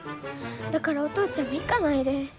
だからお父ちゃんも行かないで。